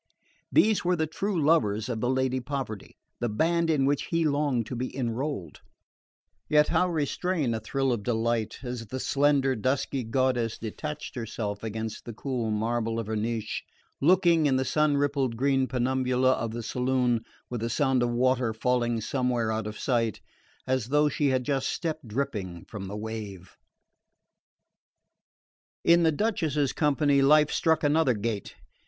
These were the true lovers of the Lady Poverty, the band in which he longed to be enrolled; yet how restrain a thrill of delight as the slender dusky goddess detached herself against the cool marble of her niche, looking, in the sun rippled green penumbra of the saloon, with a sound of water falling somewhere out of sight, as though she had just stepped dripping from the wave? In the Duchess's company life struck another gait.